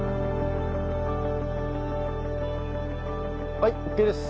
はいＯＫです。